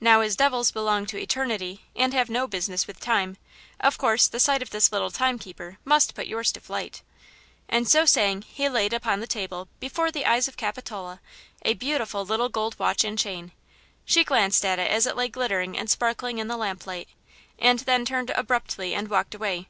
Now, as devils belong to eternity, and have no business with time, of course the sight of this little timekeeper must put yours to flight," and so saying he laid upon the table, before the eyes of Capitola, a beautiful little gold watch and chain. She glanced at it as it lay glittering and sparkling in the lamplight, and then turned abruptly and walked away.